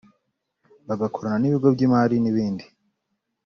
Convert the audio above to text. bagakorana n’ibigo by’imari n’ibindi